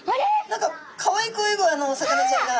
何かかわいく泳ぐお魚ちゃんが。